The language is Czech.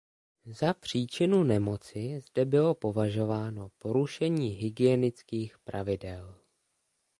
Za příčinu nemoci zde bylo považováno porušení hygienických pravidel.